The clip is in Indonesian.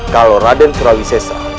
kalau raden surawi sesa